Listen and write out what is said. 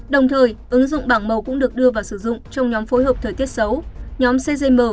đồng thời ứng dụng bảng màu cũng được đưa vào sử dụng trong nhóm phối hợp thời tiết xấu nhóm cgm